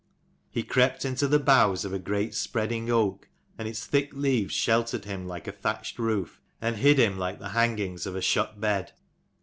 He crept into the boughs of a great spreading oak, and its thick leaves sheltered him like a thatched roof and hid him like the hangings of a shut bed.